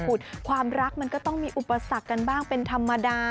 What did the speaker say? คุณความรักมันก็ต้องมีอุปสรรคกันบ้างเป็นธรรมดา